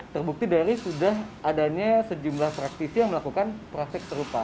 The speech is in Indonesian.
terbukti dari sudah adanya sejumlah praktisi yang melakukan praktek serupa